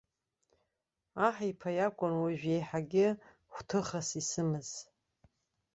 Аҳ иԥа иакәын уажә аиҳарак гәҭыхас исымаз.